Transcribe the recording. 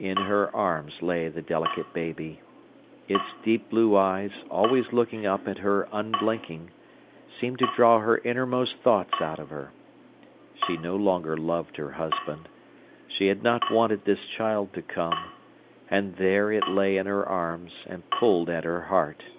In her arms lay the delicate baby. Its deep blue eyes, always looking up at her unblinking, seemed to draw her innermost thoughts out of her. She no longer loved her husband; she had not wanted this child to come, and there it lay in her arms and pulled at her heart.